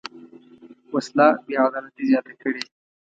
وسله بېعدالتي زیاته کړې